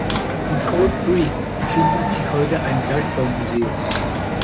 In "Coal Creek" befindet sich heute ein Bergbaumuseum.